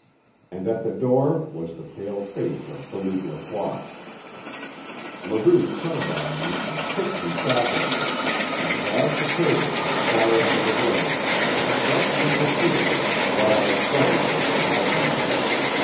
And at the door was the pale face of Philippe Lacroix. Leroux turned on me and kicked me savagely, and dragged the table to the far end of the room, and struck me repeatedly, while I struggled like a madman.